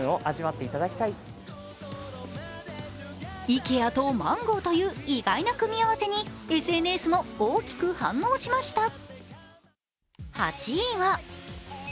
イケアとマンゴーという意外な組み合わせにＳＮＳも大きく反応しました。